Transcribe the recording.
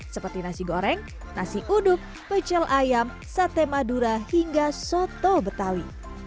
seperti nasi goreng nasi uduk pecel ayam sate madura hingga soto betawi